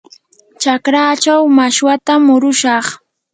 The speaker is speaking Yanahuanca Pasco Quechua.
chakraachaw mashwatam murushaq.